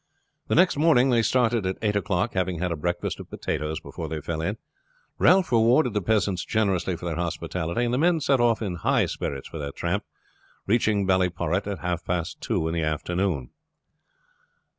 The next morning they started at eight o'clock, having had a breakfast of potatoes before they fell in. Ralph rewarded the peasants generously for their hospitality, and the men set off in high spirits for their tramp, and reached Ballyporrit at half past two in the afternoon.